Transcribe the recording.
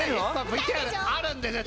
ＶＴＲあるんで。